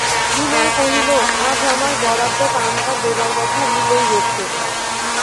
বিনয় কহিল, আজ আমার বরাদ্দ পানটা দেবার কথা ভুলেই গেছ।